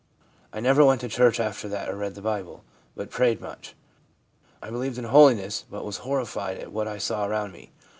I never went to church after that or read the Bible, but prayed much. I believed in holiness, but was horrified at what I saw around me.